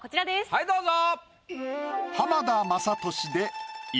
はいどうぞ！